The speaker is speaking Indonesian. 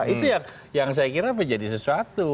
itu yang saya kira menjadi sesuatu